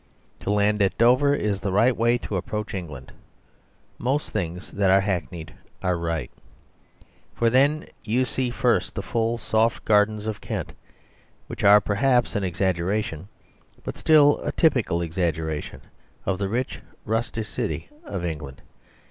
To land at Dover is the right way to approach England (most things that are hackneyed are right), for then you see first the full, soft gardens of Kent, which are, perhaps, an exaggeration, but still a typical exaggeration, of the rich rusticity of England.